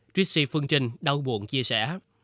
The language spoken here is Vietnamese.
tracy phương trình đau buồn chia sẻ